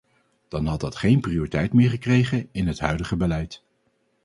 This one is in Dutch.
Dan had dat geen prioriteit meer gekregen in het huidige beleid.